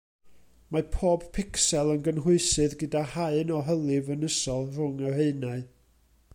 Mae pob picsel yn gynhwysydd gyda haen o hylif ynysol rhwng yr haenau.